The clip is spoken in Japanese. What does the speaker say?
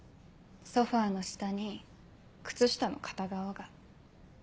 ソファの下に靴下の片側が。